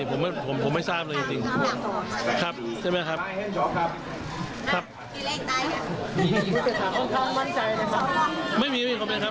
ผมได้ผมไม่ทราบนั้นถึงครับใช่ไหมครับครับ